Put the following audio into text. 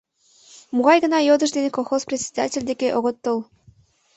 Могай гына йодыш дене колхоз председатель деке огыт тол.